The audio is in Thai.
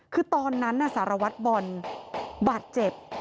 คือตอนนั้นสารวัตรบอลบาดเจ็บ